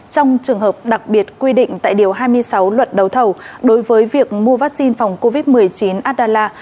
trong trường hợp đặc biệt quy định tại điều hai mươi sáu luật đấu thầu đối với việc mua vaccine phòng covid một mươi chín addallah